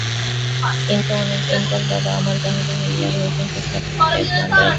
কিন্তু অনেক দিন পরে বাবা আবার বাহির হইয়া বহুসংখ্যক সাধুকে এক ভাণ্ডারা দিলেন।